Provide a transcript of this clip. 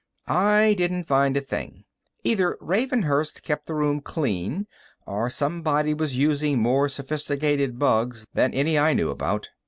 I didn't find a thing. Either Ravenhurst kept the room clean or somebody was using more sophisticated bugs than any I knew about.